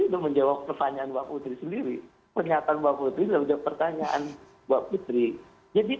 sudah menjawab pertanyaan mbak putri sendiri